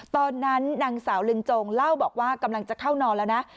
ตอนนั้นนางสาวลึงจงเล่าบอกว่ากำลังจะเข้านอนแล้วนะ